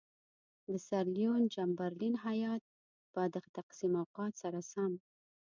د سر لیوین چمبرلین هیات به د تقسیم اوقات سره سم.